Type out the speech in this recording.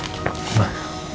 aku nyalain mama dulu ya